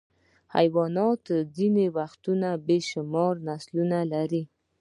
حیوانات ځینې وختونه بې شمېره نسلونه لري.